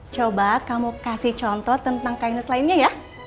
coba kamu kasih contoh tentang chinese lainnya ya